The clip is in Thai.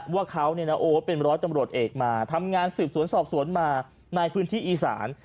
ว่าเขาเป็นร้อยตำรวจเอกมาทำงานสืบสวนสอบสวนมาในพื้นที่อีสาน